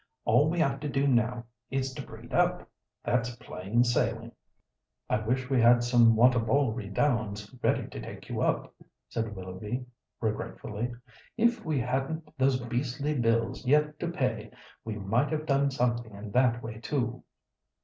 All we have to do now is to breed up. That's plain sailing." "I wish we had some Wantabalree Downs ready to take up," said Willoughby, regretfully. "If we hadn't those beastly bills yet to pay, we might have done something in that way too."